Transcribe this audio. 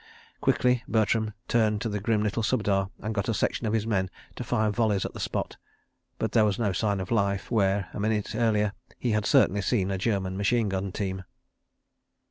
Quickly Bertram turned to the grim little Subedar and got a section of his men to fire volleys at the spot, but there was no sign of life where, a minute earlier, he had certainly seen a German machine gun team.